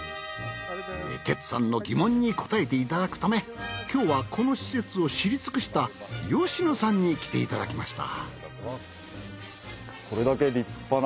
哲さんの疑問に答えていただくため今日はこの施設を知り尽くした吉野さんに来ていただきました。